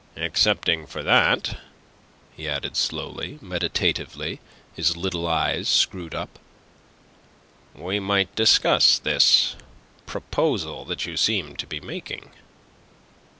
"Excepting for that," he added, slowly, meditatively, his little eyes screwed up, "we might discuss this proposal that you seem to be making."